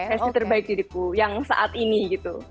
kasih terbaik diriku yang saat ini gitu